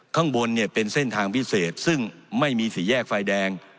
ข้างบนเนี่ยเป็นเส้นทางพิเศษซึ่งไม่มีสี่แยกไฟแดง